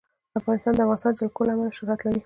افغانستان د د افغانستان جلکو له امله شهرت لري.